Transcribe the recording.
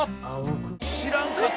知らんかった！